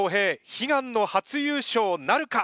悲願の初優勝なるか！？